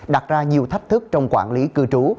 đặt ra nhiều thách thức trong quản lý cư trú